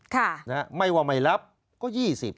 ค่ะนะฮะไม่ว่าไม่รับก็๒๐